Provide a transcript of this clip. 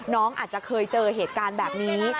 น้องอาจจะเคยเจอเหตุการณ์แบบนี้